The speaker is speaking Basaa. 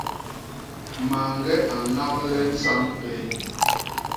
Mañge a ñable isañ péé.